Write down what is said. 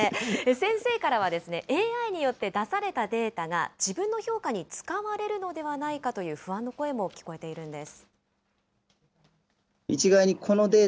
先生からはですね、ＡＩによって出されたデータが、自分の評価に使われるのではないかという不安の声も聞こえているんです。